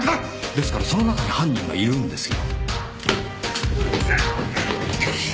ですからその中に犯人がいるんですよ。